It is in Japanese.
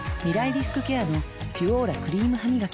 リスクケアの「ピュオーラ」クリームハミガキ